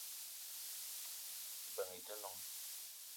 Mbeng i te noong